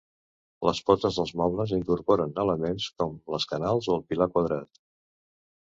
Les potes dels mobles incorporen elements com les canals o el pilar quadrat.